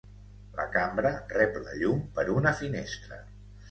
La cambra rep la llum per una finestra.